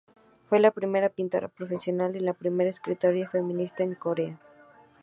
Fue la primera pintora profesional y la primera escritora feminista en Corea.